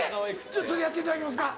ちょっとやっていただけますか？